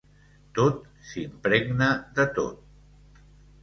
“Tot s’impregna de tot”